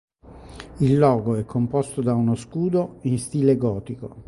Il logo è composto da uno scudo in stile gotico.